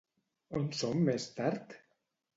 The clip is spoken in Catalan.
On són més tard?